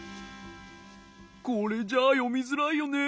これじゃよみづらいよね。